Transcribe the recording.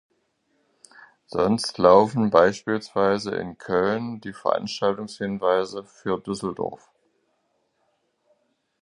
Sonst laufen beispielsweise in Köln die Veranstaltungshinweise für Düsseldorf.